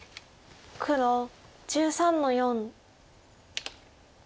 黒１３の四。